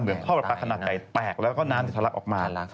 เหมือนข้อประปรับขนาดไกลแตกแล้วก็น้ำทิศลักษณ์ออกมา